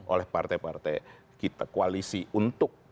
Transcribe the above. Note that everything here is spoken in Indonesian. oleh partai partai koalisi untuk